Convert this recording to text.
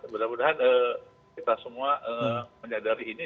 mudah mudahan kita semua menyadari ini